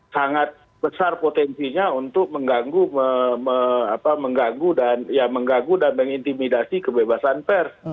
sangat besar potensinya untuk mengganggu dan mengintimidasi kebebasan pers